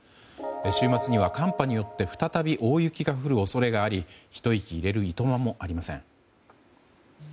週末には寒波によってふたたび大雪が降る恐れがありひと息入れるいとまもありません。